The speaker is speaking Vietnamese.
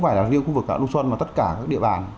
tại là riêng khu vực cả lục xuân và tất cả các địa bàn